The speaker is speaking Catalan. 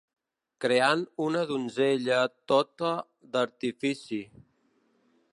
Creant una donzella tota d'artifici